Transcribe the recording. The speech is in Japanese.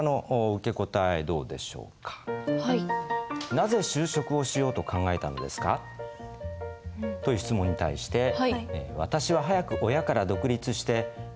「なぜ就職をしようと考えたのですか？」という質問に対して「私は早く親から独立して、やりたいことをするためです。」